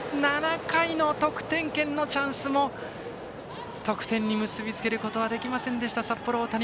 ７回の得点圏のチャンスも得点に結びつけることはできなかった札幌大谷。